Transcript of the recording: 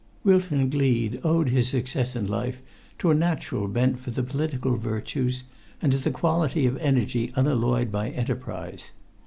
Wilton Gleed owed his success in life to a natural bent for the politic virtues, and to the quality of energy unalloyed by enterprise.